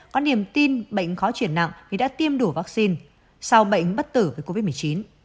có niềm tin bệnh khó chuyển nặng vì đã tiêm đủ vaccine sau bệnh bất tử với covid một mươi chín